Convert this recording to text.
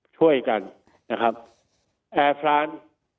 ช่วยกันแอร์พรานซ์